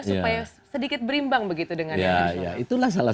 supaya sedikit berimbang begitu dengan yang di sulawesi tengah